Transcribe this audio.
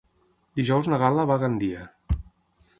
Dijous na Gal·la va a Gandia.